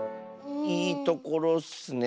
いいところッスね。